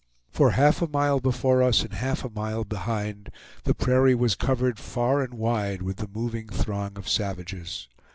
For half a mile before us and half a mile behind, the prairie was covered far and wide with the moving throng of savages.